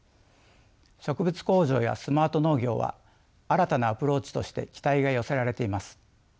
植物工場やスマート農業は新たなアプローチとして期待が寄せられています。